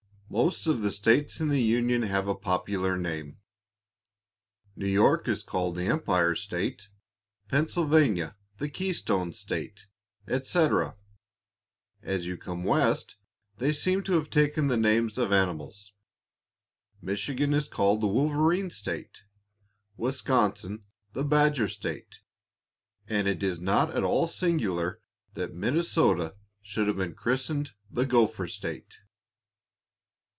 Most of the states in the Union have a popular name. New York is called the "Empire State," Pennsylvania the "Keystone State," etc. As you come west they seem to have taken the names of animals. Michigan is called the "Wolverine State," Wisconsin the "Badger State," and it is not at all singular that Minnesota should have been christened the "Gopher State."